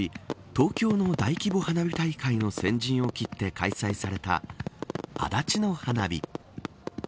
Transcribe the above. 東京の大規模花火大会の先陣を切って開催された足立の花火。